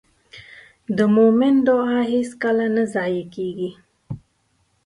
د مؤمن دعا هېڅکله نه ضایع کېږي.